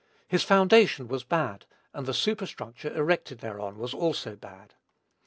His foundation was bad, and the superstructure erected thereon was also bad.